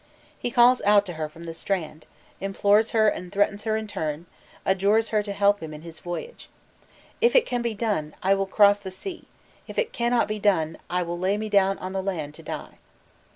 He calls out to her from the strand, implores and threatens her in turn, adjures her to help him in his voyage. "If it can be done, I will cross the sea; if it cannot be done, I will lay me down on the land to die."